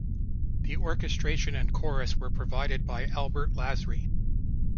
The orchestration and chorus were provided by Albert Lasry.